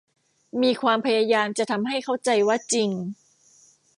มีความพยายามจะทำให้เข้าใจว่าจริง